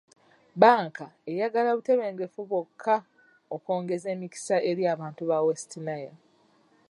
Bbanka eyagala butebenkevu bwokka okwongeza emikisa eri abantu ba West Nile .